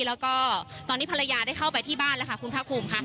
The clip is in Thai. แล้วก็ตอนนี้ภรรยาได้เข้าไปที่บ้านแล้วค่ะคุณภาคภูมิค่ะ